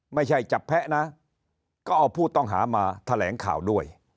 ไม่ใช่จับแพ้นะก็เอาผู้ต้องหามาแถลงข่าวด้วย